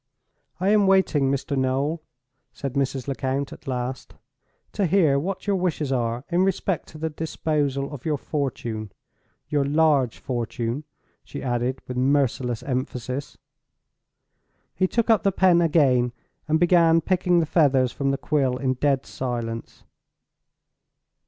"I am waiting, Mr. Noel," said Mrs. Lecount, at last, "to hear what your wishes are in respect to the disposal of your fortune. Your large fortune," she added, with merciless emphasis. He took up the pen again, and began picking the feathers from the quill in dead silence.